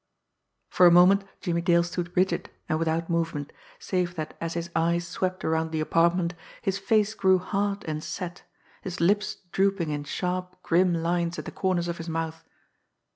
For a moment Jimmie Dale stood rigid and without movement, save that as his eyes swept around the apartment his face grew hard and set, his lips drooping in sharp, grim lines at the corners of his mouth.